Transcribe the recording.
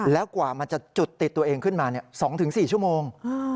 แล้วกว่ามันจะจุดติดตัวเองขึ้นมา๒๔ชั่วโมง